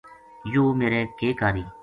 یوہ میرے کے کاری